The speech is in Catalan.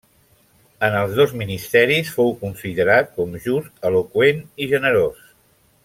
En els dos ministeris fou considerat com just, eloqüent i generós.